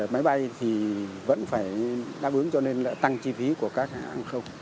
máy bay thì vẫn phải đáp ứng cho nên là tăng chi phí của các hãng hàng không